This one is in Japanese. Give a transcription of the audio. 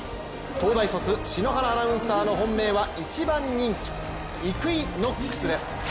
東大卒・篠原アナウンサーの本命は１番人気、イクイノックスです。